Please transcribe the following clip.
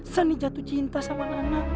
sani jatuh cinta sama nana